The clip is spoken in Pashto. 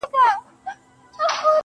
يوازي زه يمه چي ستا په حافظه کي نه يم,